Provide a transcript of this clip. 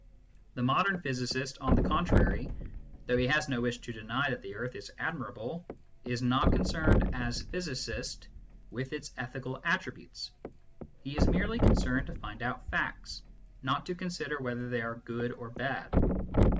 The modern physicist, on the contrary, though he has no wish to deny that the earth is admirable, is not concerned, as physicist, with its ethical attributes : he is merely concerned to find out facts, not to consider whether they are good or bad.